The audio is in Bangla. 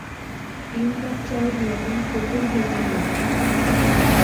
তিন কাপ চায়ের লগিন ফতুর হইতাম না।